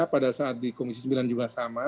pada saat di komisi sembilan juga sama